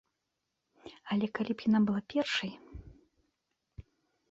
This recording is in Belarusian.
Але калі б яна была першай.